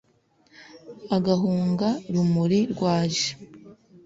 ugahunga rumuri rwaje